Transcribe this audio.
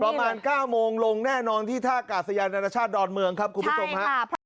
ประมาณ๙โมงลงแน่นอนที่ท่ากาศยานานาชาติดอนเมืองครับคุณผู้ชมฮะ